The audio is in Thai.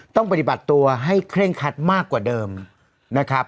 ต้องปฏิบัติตัวให้เคร่งคัดมากกว่าเดิมนะครับ